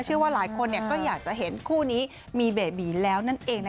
เชื่อว่าหลายคนก็อยากจะเห็นคู่นี้มีเบบีแล้วนั่นเอง